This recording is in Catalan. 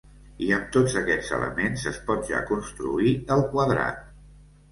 I amb tots aquests elements es pot ja construir el quadrat.